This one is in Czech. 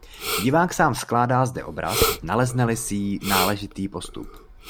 Divák sám skládá zde obraz, nalezne-li sí náležitý odstup.